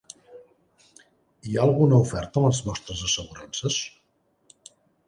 Hi ha alguna oferta en les vostres assegurances?